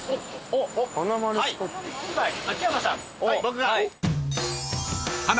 僕が。